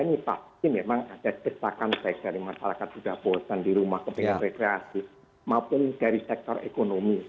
ini pasti memang ada desakan baik dari masyarakat sudah bosan di rumah kepingin rekreasi maupun dari sektor ekonomi